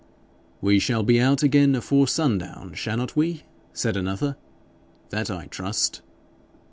'We shall be out again afore sundown, shannot we?' said another. 'That I trust.'